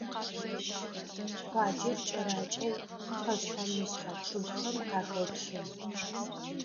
Къуаджэр кӀэракӀэу пхъэшъхьэ-мышъхьэ чъыгхэм къахэплъы.